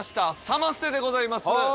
サマステでございます。